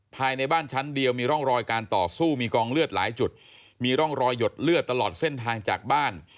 ภายในบ้านชั้นเดียวมีร่องรอยการต่อสู้มีกองเลือดหลายจุดมีร่องรอยหยดเลือดตลอดเส้นทางจากบ้าน